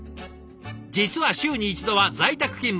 実は週に１度は在宅勤務。